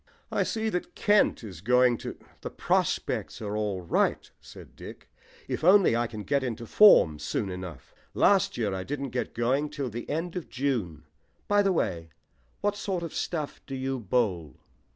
"I see that Kent is going to " "The prospects are all right," said Dick, "if only I can get into form soon enough. Last year I didn't get going till the end of June. By the way, what sort of stuff do you bowl?"